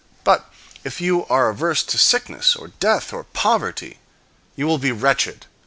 But if you are averse to sickness, or death, or poverty, you will be wretched.